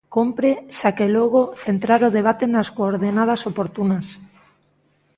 Cómpre, xa que logo, centrar o debate nas coordenadas oportunas.